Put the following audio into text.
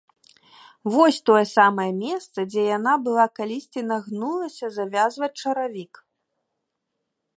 Вось тое самае месца, дзе яна была калісьці нагнулася завязваць чаравік.